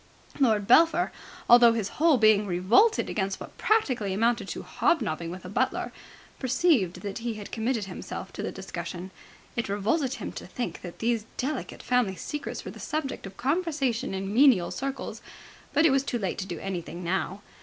Lord Belpher, although his whole being revolted against what practically amounted to hobnobbing with a butler, perceived that he had committed himself to the discussion. It revolted him to think that these delicate family secrets were the subject of conversation in menial circles, but it was too late to do anything now.